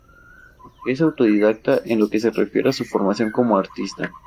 Aunque es autodidacta en lo que se refiere a su formación como artista.